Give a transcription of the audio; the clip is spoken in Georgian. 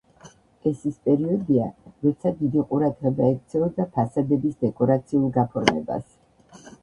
ეს ის პერიოდია, როცა დიდი ყურადღება ექცეოდა ფასადების დეკორაციულ გაფორმებას.